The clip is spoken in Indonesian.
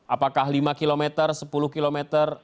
apakah lima km sepuluh km